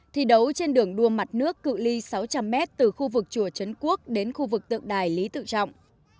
thi đấu trên đường đua mặt nước cự li sáu trăm linh m từ khu vực chùa trấn quốc đến khu vực tượng đài lý tự trọng